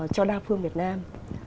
cho đa phương việt nam